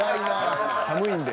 はい。